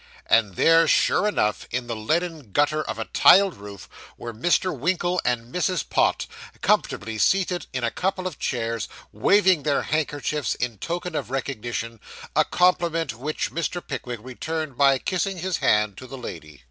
And there, sure enough, in the leaden gutter of a tiled roof, were Mr. Winkle and Mrs. Pott, comfortably seated in a couple of chairs, waving their handkerchiefs in token of recognition a compliment which Mr. Pickwick returned by kissing his hand to the lady.